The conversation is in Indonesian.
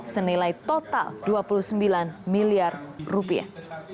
senilai total dua puluh sembilan miliar rupiah